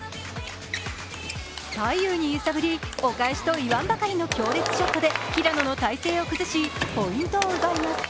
左右に揺さぶり、お返しといわんばかりの強烈ショットで平野の体勢を崩しポイントを奪います。